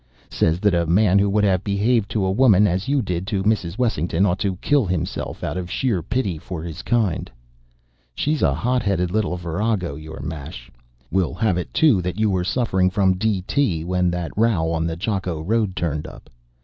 'Says that a man who would have behaved to a woman as you did to Mrs. Wessington ought to kill himself out of sheer pity for his kind. She's a hot headed little virago, your mash. 'Will have it too that you were suffering from D. T. when that row on the Jakko road turned up.